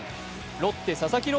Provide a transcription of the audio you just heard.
ロッテ・佐々木朗